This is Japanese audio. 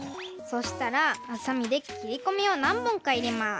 そしたらはさみできりこみをなんぼんかいれます。